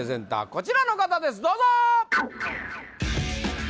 こちらの方ですどうぞ！